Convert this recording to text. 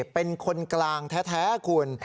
เป็นคนกลางแท้คุณ